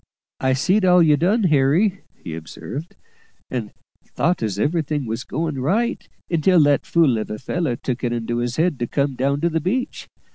"I see'd all you done, Harry," he observed, "and thought as everything were going right, until that fool of a feller took it into his head to come down to the beach.